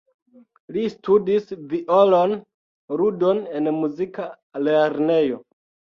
Li studis violon-ludon en muzika lernejo.